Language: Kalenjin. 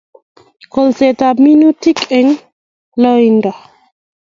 kolsetap minutik eng loindo